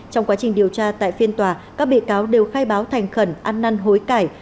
trong quá trình điều tra tại phiên tòa các bị cáo đều khai báo thành khẩn ăn năn hối cải